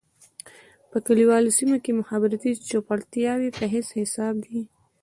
په کليوالي سېمو کې مخابراتي چوپړتياوې په هيڅ حساب دي.